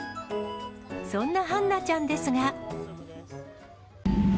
そんなはんなちゃんですが。